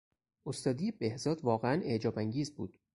استادی بهزاد واقعا اعجابانگیز بود.